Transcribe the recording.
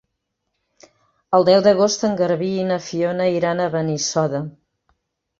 El deu d'agost en Garbí i na Fiona iran a Benissoda.